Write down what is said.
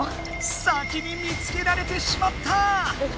先に見つけられてしまった！